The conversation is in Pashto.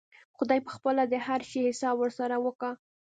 خداى به پخپله د هر شي حساب ورسره وکا.